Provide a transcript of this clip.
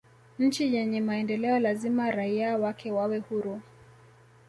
nchi yenye maendeleo lazima raia wake wawe huru